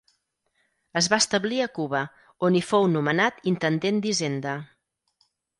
Es va establir a Cuba, on hi fou nomenat Intendent d'Hisenda.